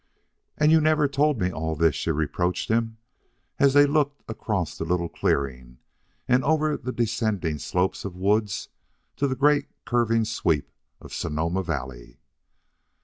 "And you never told me all this!" she reproached him, as they looked across the little clearing and over the descending slopes of woods to the great curving sweep of Sonoma Valley.